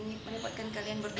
menempatkan kalian berdua